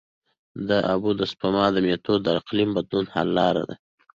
د اوبو د سپما میتودونه د اقلیمي بدلون حل لاره ده.